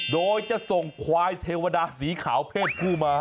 โดยจะส่งควายเทวดาสีขาวเพศผู้มา